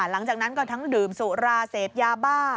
หลังจากนั้นก็ทั้งดื่มสุราเสพยาบ้า